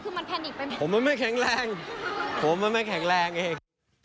คือมันแพนิกไปหมดผมมันไม่แข็งแรงผมมันไม่แข็งแรงเอง